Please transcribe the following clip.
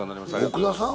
奥田さん